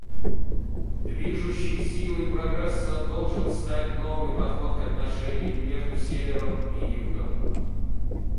Движущей силой прогресса должен стать новый подход к отношениям между Севером и Югом.